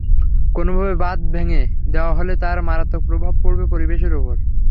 কোনোভাবে বাঁধ ভেঙে দেওয়া হলে তার মারাত্মক প্রভাব পড়বে পরিবেশের ওপর।